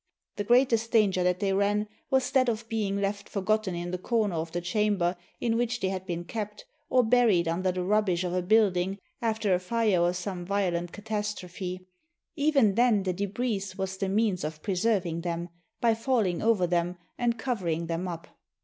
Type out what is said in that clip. The greatest danger that they ran was that of being left forgotten in the corner of the chamber in which they had been kept, or buried imder the rubbish of a building after a fire or some violent catastrophe ; even then the debris was the means of pre serving them, by falHng over them and covering them up.